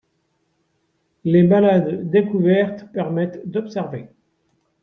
les balades découvertes permettent d’observer